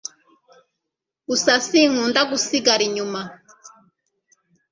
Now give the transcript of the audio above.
Gusa sinkunda gusigara inyuma